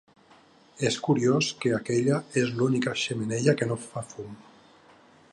És curiós que aquella és l'única xemeneia que no fa fum.